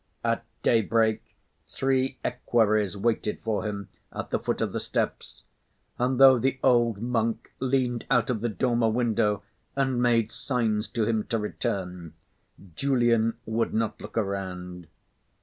At daybreak, three equerries waited for him at the foot of the steps; and though the old monk leaned out of the dormer window and made signs to him to return, Julian would not look around.